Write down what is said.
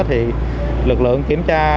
thì lực lượng kiểm tra